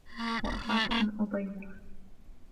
وَأَخَافُ أَنْ أُضَيِّعَهُ